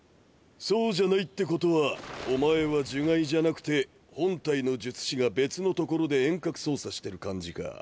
そうじゃないってことはお前は呪骸じゃなくて本体の術師が別の所で遠隔操作してる感じか。